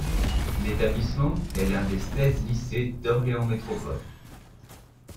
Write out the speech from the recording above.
L'établissement est l'un des seize lycées d'Orléans Métropole.